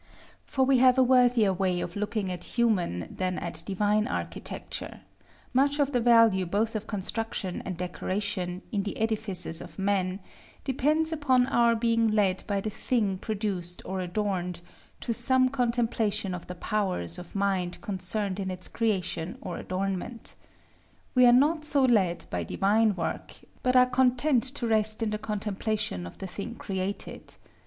For we have a worthier way of looking at human than at divine architecture: much of the value both of construction and decoration, in the edifices of men, depends upon our being led by the thing produced or adorned, to some contemplation of the powers of mind concerned in its creation or adornment. We are not so led by divine work, but are content to rest in the contemplation of the thing created.